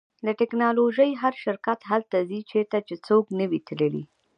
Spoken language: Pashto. د ټیکنالوژۍ هر شرکت هلته ځي چیرې چې څوک نه وي تللی